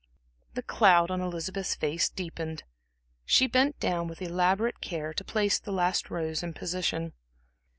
The cloud on Elizabeth's face deepened. She bent down with elaborate care to place the last rose in position.